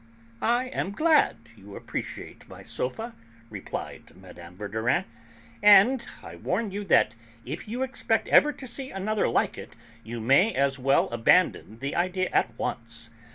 "I am glad you appreciate my sofa," replied Mme. Verdurin, "and I warn you that if you expect ever to see another like it you may as well abandon the idea at once.